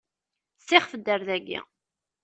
Sixef-d ar dayi.